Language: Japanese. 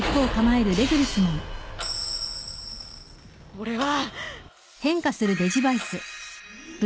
俺は。